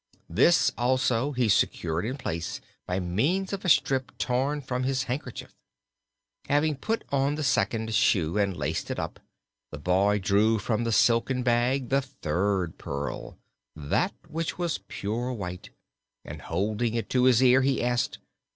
This, also, he secured in place by means of a strip torn from his handkerchief. Having put on the second shoe and laced it up, the boy drew from the silken bag the third pearl that which was pure white and holding it to his ear he asked.